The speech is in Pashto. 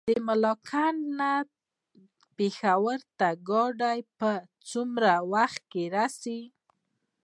د ملاکنډ نه پېښور ته ګاډی په څومره وخت کې رسي؟